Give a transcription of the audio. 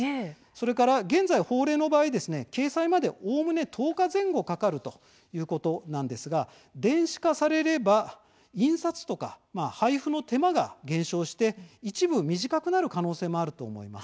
それから現在、法令の場合掲載まで、おおむね１０日前後かかるということなんですが電子化されれば印刷とか配布の手間が減少して一部、短くなる可能性もあると思います。